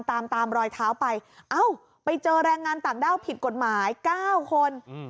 ตามตามรอยเท้าไปเอ้าไปเจอแรงงานต่างด้าวผิดกฎหมาย๙คน